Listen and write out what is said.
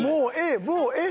もうええ！